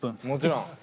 もちろん。